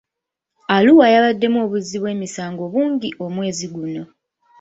Arua yabaddemu obuzzi bw'emisango bungi omwezi guno.